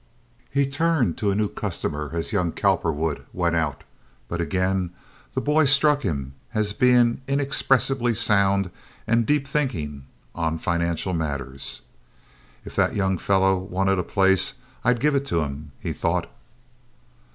He turned to a new customer as young Cowperwood went out, but again the boy struck him as being inexpressibly sound and deep thinking on financial matters. "If that young fellow wanted a place, I'd give it to him," he thought.